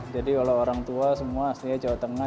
kalau orang tua semua aslinya jawa tengah